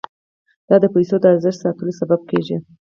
دا د پیسو د ارزښت ساتلو سبب کیږي.